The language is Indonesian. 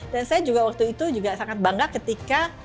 dan saya juga waktu itu sangat bangga ketika